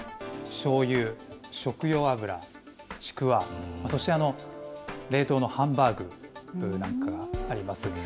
しょうゆ、食用油、ちくわ、そして冷凍のハンバーグなんかあります。